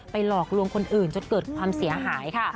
หลอกลวงคนอื่นจนเกิดความเสียหายค่ะ